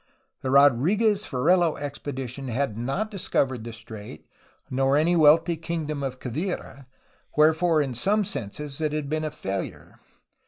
The Rodrfguez Ferrelo expedition had not discovered the strait or any wealthy kingdom of Quivira, wherefore in some senses it had been a failure.